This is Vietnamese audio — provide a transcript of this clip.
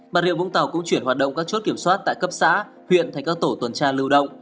bà rịa vũng tàu cũng chuyển hoạt động các chốt kiểm soát tại cấp xã huyện thành các tổ tuần tra lưu động